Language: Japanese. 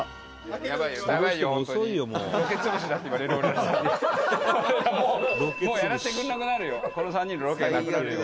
「もうやらせてくれなくなるよ。